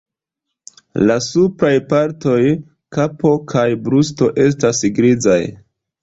La supraj partoj, kapo kaj brusto estas grizaj.